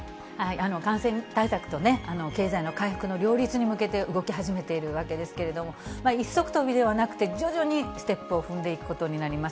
感染対策と経済の回復の両立に向けて動き始めているわけですけれども、一足飛びではなくて、徐々にステップを踏んでいくことになります。